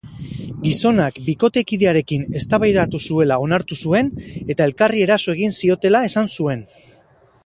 Gizonak bikotekidearekin eztabaidatu zuela onartu zuen eta elkarri eraso egin ziotela esan zuen.